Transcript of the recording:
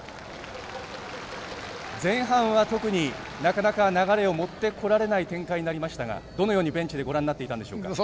前半は特になかなか流れを持ってこられない展開になりましたがどのようにベンチでご覧になっていましたか。